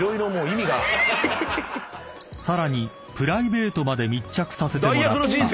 ［さらにプライベートまで密着させてもらった］